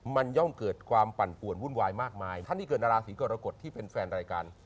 มันย่อมเกิดความปั่นป่วนวุ่นวายมากมายท่านที่เกิดราศีกรกฎที่เป็นแฟนรายการ